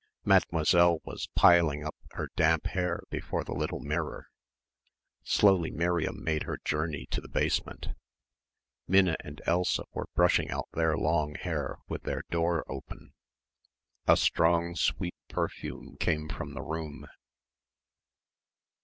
Mademoiselle was piling up her damp hair before the little mirror. Slowly Miriam made her journey to the basement. Minna and Elsa were brushing out their long hair with their door open. A strong sweet perfume came from the room.